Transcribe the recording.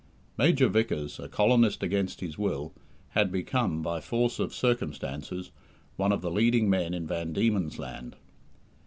Major Vickers, a colonist against his will, had become, by force of circumstances, one of the leading men in Van Diemen's Land.